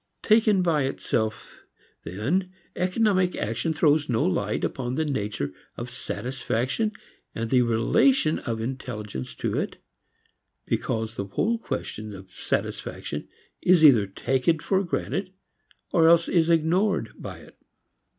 Taken by itself then economic action throws no light upon the nature of satisfaction and the relation of intelligence to it, because the whole question of satisfaction is either taken for granted or else is ignored by it.